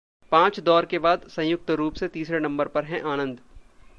पांच दौर के बाद संयुक्त रूप से तीसरे नंबर पर हैं आनंद